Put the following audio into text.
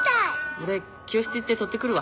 俺教室行って取って来るわ。